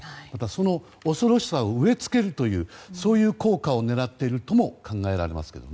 その恐ろしさを植え付けるという効果を狙っているとも考えられますけど。